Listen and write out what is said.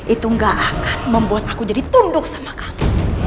itu gak akan membuat aku jadi tunduk sama kami